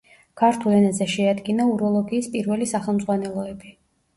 ქართულ ენაზე შეადგინა უროლოგიის პირველი სახელმძღვანელოები.